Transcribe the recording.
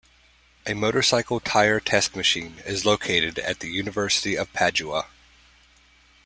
A motorcycle tire test machine is located at the University of Padua.